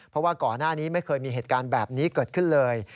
เพราะว่าก่อนหน้านี้ไม่เคยมีเหตุการณ์แบบนี้เกิดขึ้นเลย